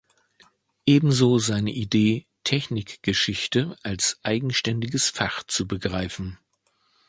Ebenso seine Idee, Technikgeschichte als eigenständiges Fach zu begreifen.